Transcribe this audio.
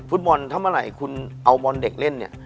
ฟุตบอลทำอะไรคุณเอาบอลเด็กเล่น